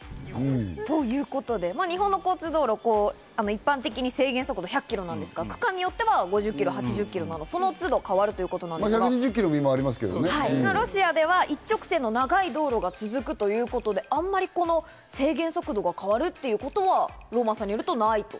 ということで、日本の交通道路、一般的に制限速度が１００キロなんですが、区間によっては５０キロ、８０キロ、その都度変わるということで、ロシアでは一直線の長い道路が続くということで、あまり制限速度が変わるということはローマンさんによると無いと。